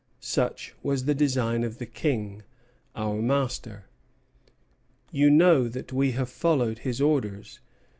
Such was the design of the King, our master. You know that we have followed his orders.